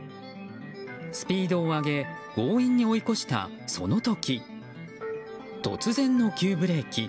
スピードを上げ強引に追い越したその時突然の急ブレーキ。